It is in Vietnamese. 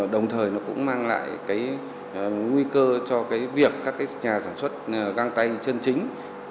đồng thời nó cũng mang lại cái nguy cơ cho cái việc các cái nhà sản xuất găng tay chân chính